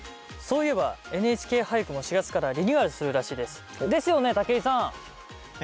そういえば「ＮＨＫ俳句」も４月からリニューアルするらしいです。ですよね？